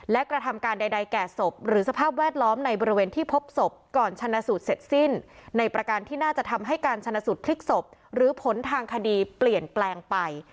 และกระทำการใดแก่ศพหรือสภาพแวดล้อมในบริเวณที่พบศพก่อนชนะสูตรเสร็จสิ้นในประการที่น่าจะทำให้การชนะสูตรพลิกศพหรือผลทางคดีเปลี่ยนแปลงไป